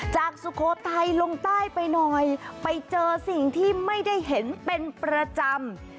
สุโขทัยลงใต้ไปหน่อยไปเจอสิ่งที่ไม่ได้เห็นเป็นประจำ